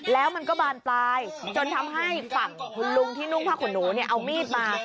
แล้วมันก็บานปลายจนทำให้ฝั่งคุณลุงที่นุ่งผ้าขนหนูเนี่ยเอามีดมา